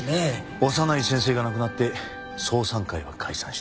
小山内先生が亡くなって双三会は解散した。